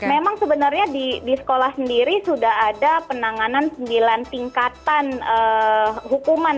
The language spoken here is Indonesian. memang sebenarnya di sekolah sendiri sudah ada penanganan sembilan tingkatan hukuman